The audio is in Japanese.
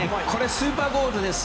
スーパーゴールです。